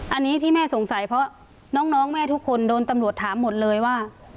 อันนี้ที่แม่สงสัยเพราะน้องแม่ทุกคนโดนตำรวจถามหมดเลยว่า